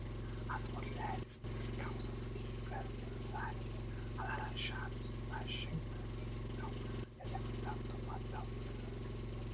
As mulheres descalças que vestem saris alaranjados e magentas estão executando uma dança.